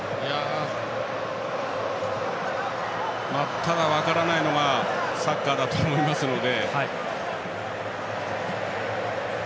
ただ、分からないのがサッカーだと思いますので。